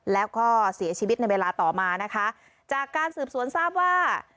แล้วก็เสียชีวิตในเวลาต่อมานะคะจากการสืบสวนทราบว่า